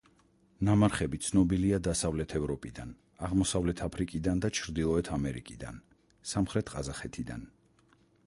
ნამარხები ცნობილია დასავლეთ ევროპიდან, აღმოსავლეთ აფრიკიდან და ჩრდილოეთ ამერიკიდან, სამხრეთ ყაზახეთიდან.